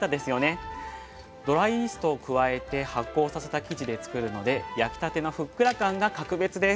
ドライイーストを加えて発酵させた生地でつくるので焼きたてのふっくら感が格別です。